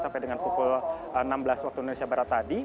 sampai dengan pukul enam belas waktu indonesia barat tadi